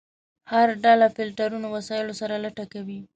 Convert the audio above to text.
هر ډله فلټرونو وسایلو سره لټه کوي.